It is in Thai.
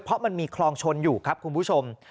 เพราะมันมีคลองชนอยู่ครับคุณผู้ชม